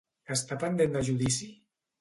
Està pendent de judici?